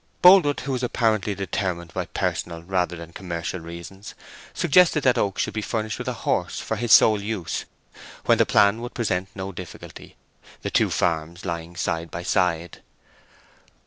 Boldwood, who was apparently determined by personal rather than commercial reasons, suggested that Oak should be furnished with a horse for his sole use, when the plan would present no difficulty, the two farms lying side by side.